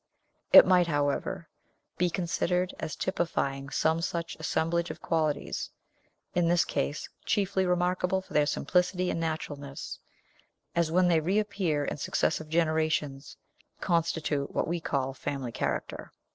It might, however, be considered as typifying some such assemblage of qualities in this case, chiefly remarkable for their simplicity and naturalness as, when they reappear in successive generations, constitute what we call family character.